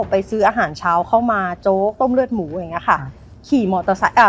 ไปซื้ออาหารเช้าเข้ามาโจ๊กต้มเลือดหมูอย่างนี้ค่ะ